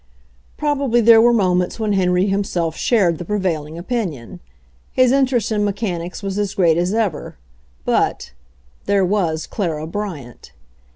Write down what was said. Probably there were moments when Henry himself shared the prevailing opinion; his in terest in mechanics was as great as ever, but — there was Clara Bryant.